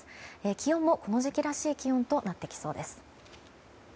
気温もこの時期らしい気温となってきそうです。